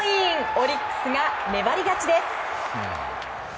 オリックスが粘り勝ちです！